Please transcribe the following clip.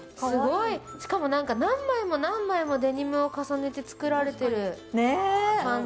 しかも何枚も何枚もデニムを重ねて作られてる感じ。